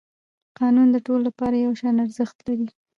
قانون د ټولو لپاره یو شان ارزښت لري